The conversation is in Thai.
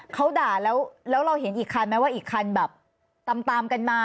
เขาด่าแล้วเราเห็นอีกคันไหมว่าอีกคันแบบตามตามกันมา